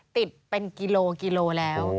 ติดเป็นกิโลกิโลแล้ว